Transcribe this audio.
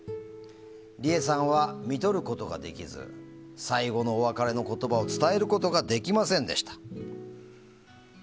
リエさんは、みとることができず最後のお別れの言葉を伝えることができませんでした。